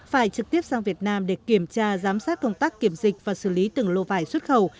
phải trực tiếp sang việt nam để kiểm tra giám sát công tác kiểm dịch và xử lý từng lô vải xuất khẩu